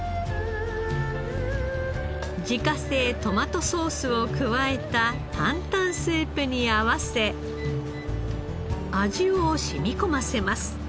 自家製トマトソースを加えた担々スープに合わせ味を染み込ませます。